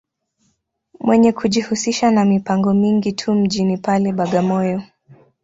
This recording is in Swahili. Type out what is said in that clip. Mwenye kujihusisha ma mipango mingi tu mjini pale, Bagamoyo.